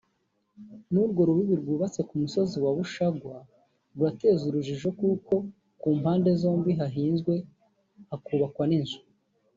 n’urwo rubibi rwubatse ku musozi wa Bushwaga rurateza urujijo kuko ku mpande zombi hahinzwe hakubakwa n’inzu